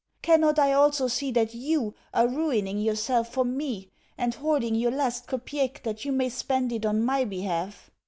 Cannot I also see that YOU are ruining yourself for me, and hoarding your last kopeck that you may spend it on my behalf?